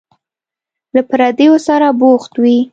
له پردیو سره بوخت وي.